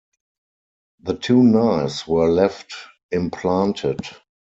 The two knives were left implanted.